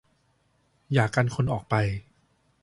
อย่ากันคนออกไป